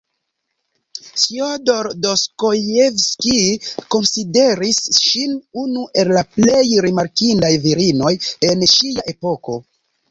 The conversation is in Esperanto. Fjodor Dostojevskij konsideris ŝin unu el la plej rimarkindaj virinoj en ŝia epoko.